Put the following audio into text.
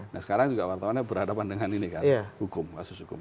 nah sekarang juga wartawannya berhadapan dengan ini kan hukum kasus hukum